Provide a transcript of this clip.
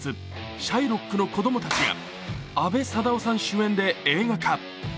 「シャイロックの子供たち」が阿部サダヲさん主演で映画化。